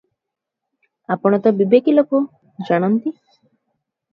ଆପଣ ତ ବିବେକୀ ଲୋକ, ଜାଣନ୍ତି ।